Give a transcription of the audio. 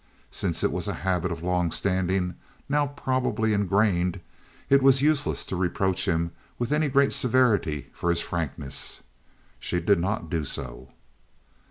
Since it was a habit of long standing, now probably ingrained, it was useless to reproach him with any great severity for his frankness. She did not do so.